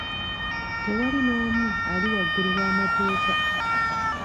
Tewali n'omu ali waggulu w'amateeka.